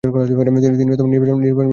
তিনি নির্বাচন প্রচারণায় সহায়তা পান।